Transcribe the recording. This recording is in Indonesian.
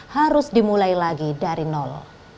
harus dimulai lagi dari nol